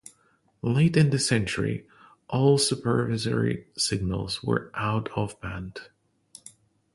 Late in the century, all supervisory signals were out of band.